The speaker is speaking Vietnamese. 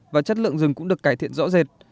và chất lượng rừng cũng được cải thiện rõ rệt